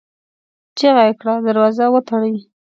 چيغه يې کړه! دروازه وتړئ!